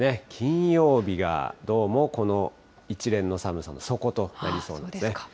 金曜日がどうもこの一連の寒さの底となりそうですね。